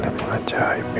emang ajaib ya